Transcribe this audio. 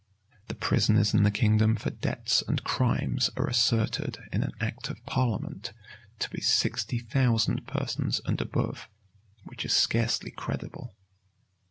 The prisoners in the kingdom for debts and crimes are asserted, in an act of parliament, to be sixty thousand persons and above; which is scarcely credible.